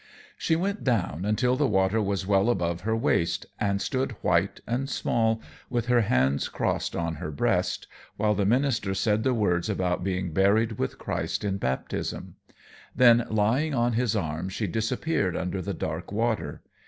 She went down until the water was well above her waist, and stood white and small, with her hands crossed on her breast, while the minister said the words about being buried with Christ in baptism. Then, lying in his arm, she disappeared under the dark water.